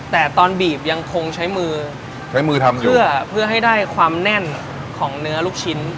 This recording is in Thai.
แต่ตอนบีบยังคงใช้มือใช้มือทำอยู่เพื่อให้ได้ความแน่นของเนื้อลูกชิ้น